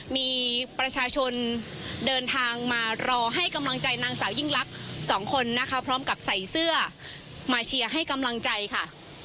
มีประชาชนเดินทางมารอให้กำลังใจนางสาวยิ่งลักษณ์สองคนนะคะพร้อมกับใส่เสื้อมาเชียร์ให้กำลังใจค่ะ